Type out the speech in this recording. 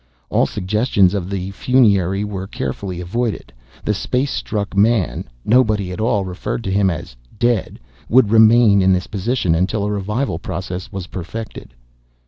All suggestions of the funerary were carefully avoided. The space struck man nobody at all referred to him as "dead" would remain in this position until a revival process was perfected.